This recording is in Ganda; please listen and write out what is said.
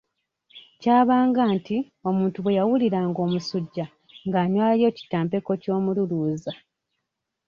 Kyabanga nga nti omuntu bwe yawuliranga omusujja ng'anywayo kitampeko ky'omululuuza.